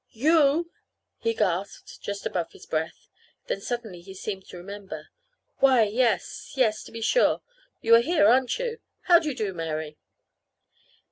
"You?" he gasped, just above his breath. Then suddenly he seemed to remember. "Why, yes, yes, to be sure. You are here, aren't you? How do you do, Mary?"